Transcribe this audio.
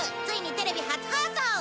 ついにテレビ初放送！